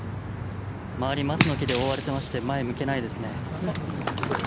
周り、松の木で覆われてまして前、向けないですね。